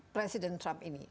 presiden trump ini